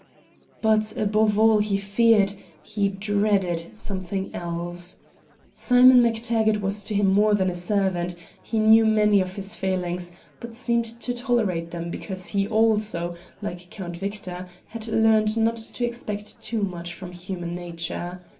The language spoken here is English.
But above all he feared he dreaded something else. Simon MacTaggart was to him more than a servant; he knew many of his failings, but seemed to tolerate them because he also, like Count Victor, had learned not to expect too much from human nature.